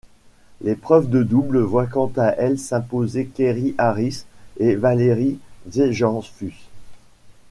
L'épreuve de double voit quant à elle s'imposer Kerry Harris et Valerie Ziegenfuss.